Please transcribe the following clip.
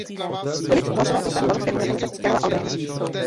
Filip hlasoval pro svého bavorského bratrance Karla Albrechta.